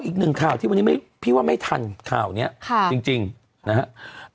อีกหนึ่งข่าวที่วันนี้ไม่พี่ว่าไม่ทันข่าวเนี้ยค่ะจริงจริงนะฮะ